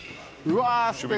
うわ！